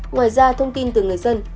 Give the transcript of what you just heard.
ngoài ra thông tin từ người dân